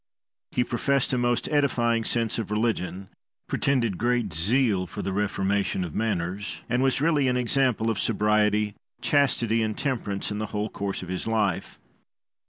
He professed a most edifying sense of religion, pretended great zeal for the reformation of manners, and was really an example of sobriety, chastity, and temperance in the whole course of his life.